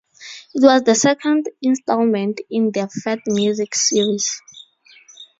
It was the second installment in the "Fat Music" series.